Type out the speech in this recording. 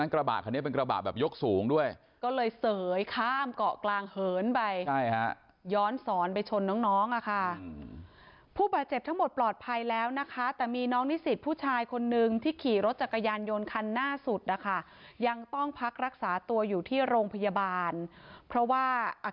โค้งซ้ายเขาจะโค้งซ้ายเขาจะโค้งซ้ายเขาจะโค้งซ้ายเขาจะโค้งซ้ายเขาจะโค้งซ้ายเขาจะโค้งซ้ายเขาจะโค้งซ้ายเขาจะโค้งซ้ายเขาจะโค้งซ้ายเขาจะโค้งซ้ายเขาจะโค้งซ้ายเขาจะโค้งซ้ายเขาจะโค้งซ้ายเขาจะโค้งซ้าย